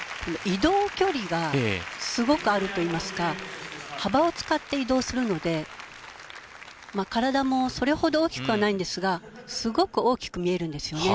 移動距離がすごくあるといいますか幅を使って移動するので体もそれほど大きくはないんですがすごく大きく見えるんですよね。